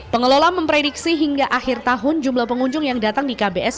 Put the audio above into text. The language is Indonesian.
pengelola memprediksi hingga akhir tahun jumlah pengunjung yang datang di kbs